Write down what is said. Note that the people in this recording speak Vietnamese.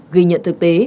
ghi nhận thực tế